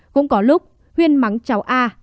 cũng có lúc huyên mắng cháu a